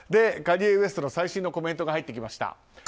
カニエ・ウェストの最新のコメントが入ってきました。